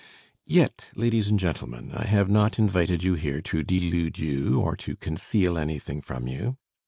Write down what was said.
Yet, ladies and gentlemen, I have not invited you here to delude you or to conceal anything from you.